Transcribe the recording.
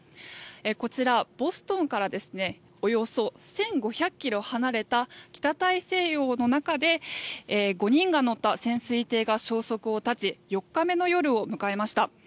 こちら、ボストンからおよそ１５００ｋｍ離れた北大西洋の中で５人が乗った潜水艇が消息を絶ち４日目の夜を迎えました。